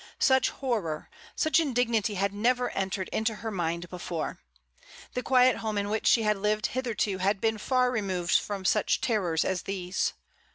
Such horror, such indignity had never entered into her mind before. The quiet home in which she had lived hitherto had been far removed from m THE DAWN. 113 such terrors as these.